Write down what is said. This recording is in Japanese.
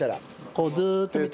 こうずーっと見て。